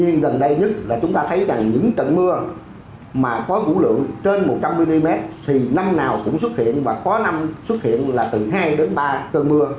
riêng trận mưa ngày một mươi chín tháng năm có vũ lượng gần một trăm hai mươi mm gây ngập sâu một mươi tuyến đường